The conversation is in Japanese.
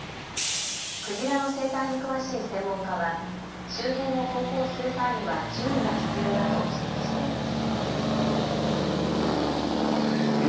クジラの生態に詳しい専門家は周辺を航行する際には注意が必要だと指摘しています。